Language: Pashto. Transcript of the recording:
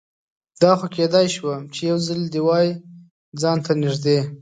دا خو کیدای شوه چې یوځلې دې وای ځان ته نږدې